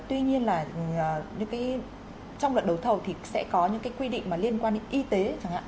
tuy nhiên là trong luật đấu thầu thì sẽ có những cái quy định mà liên quan đến y tế chẳng hạn